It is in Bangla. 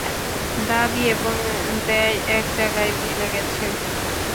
দাবি এবং দেয় এক জায়গায় মিলে গেছে।